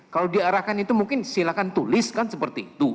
kalau diarahkan itu mungkin silahkan tulis kan seperti itu